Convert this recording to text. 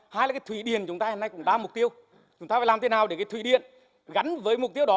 hai là thủy điện chúng ta hôm nay cũng đa mục tiêu chúng ta phải làm thế nào để thủy điện gắn với mục tiêu đó